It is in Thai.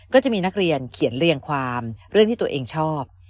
ก็จะมีนักเรียนเขียนเรียงความเรื่องที่ตัวเองชอบ